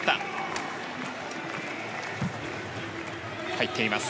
入っています。